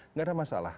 nggak ada masalah